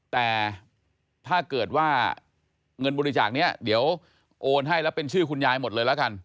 แต่ถ้าเกิดว่าเงินบริจาคนี้เดี๋ยวโอนให้แล้วเป็นชื่อคุณยายหมดเลยแล้วกัน